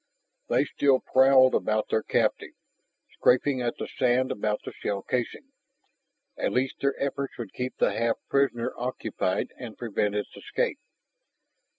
They still prowled about their captive, scrapping at the sand about the shell casing. At least their efforts would keep the half prisoner occupied and prevent its escape.